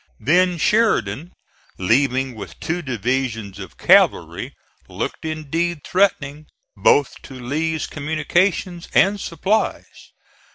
Then Sheridan leaving with two divisions of cavalry, looked indeed threatening, both to Lee's communications and supplies.